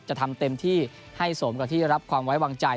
จะทำเต็มที่ให้สมกับที่รับความไว้วางใจ